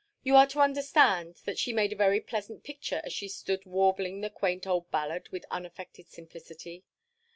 You are to understand that she made a very pleasant picture as she stood warbling the quaint old ballad with unaffected simplicity.